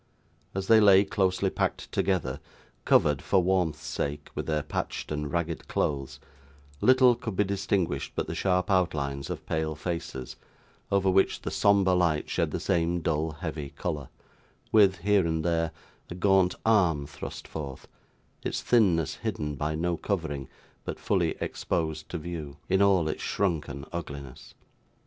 As they lay closely packed together, covered, for warmth's sake, with their patched and ragged clothes, little could be distinguished but the sharp outlines of pale faces, over which the sombre light shed the same dull heavy colour; with, here and there, a gaunt arm thrust forth: its thinness hidden by no covering, but fully exposed to view, in all its shrunken ugliness.